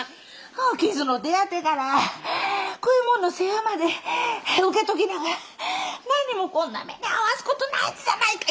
傷の手当てから食い物の世話まで受けときながらなにもこんな目に遭わす事ないじゃないか！